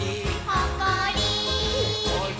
「ほっこり」